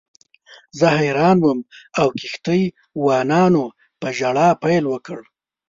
زه حیران وم او کښتۍ وانانو په ژړا پیل وکړ.